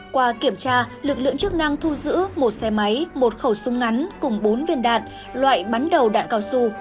qua kiểm tra lực lượng chức năng thu giữ một xe máy một khẩu súng ngắn cùng bốn viên đạn loại bắn đầu đạn cao su